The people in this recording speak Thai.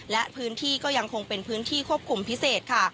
และพื้นที่ก็ยังคงเป็นพื้นที่ควบคุมพิเศษค่ะ